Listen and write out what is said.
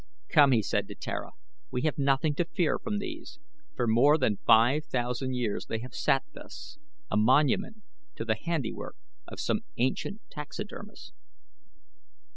"Come!" he said to Tara. "We have nothing to fear from these. For more than five thousand years they have sat thus, a monument to the handiwork of some ancient taxidermist."